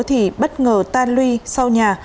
thì bất ngờ tan luy sau nhà